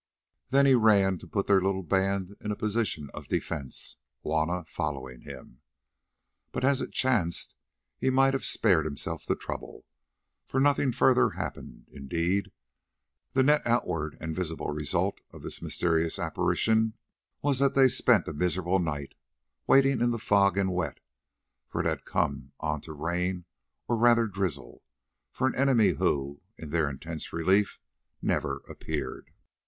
Then he ran to put their little band in a position of defence, Juanna following him. But, as it chanced, he might have spared himself the trouble, for nothing further happened; indeed, the net outward and visible result of this mysterious apparition was that they spent a miserable night, waiting in the fog and wet—for it had come on to rain, or rather drizzle—for an enemy who, to their intense relief, never appeared.